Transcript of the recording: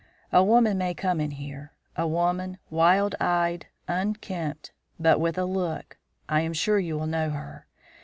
A woman may come in here; a woman, wild eyed, unkempt, but with a look I am sure you will know her.